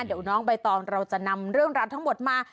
เดี๋ยวน้องใบตองเราจะนำเรื่องราวทั้งหมดมา